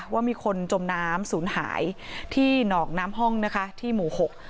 ว่ามีคนจมน้ำศูนย์หายที่หนองน้ำห้องนะคะที่หมู่หก